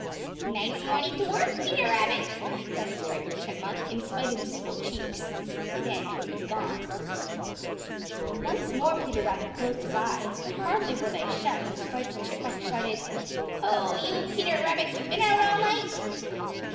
"Nice morning to work, Peter Rabbit," said Striped Chipmunk, in spite of his full cheeks. Then he was gone. Once more Peter Rabbit closed his eyes, but hardly were they shut when Striped Chipmunk shouted: "Oh, you Peter Rabbit, been out all night?"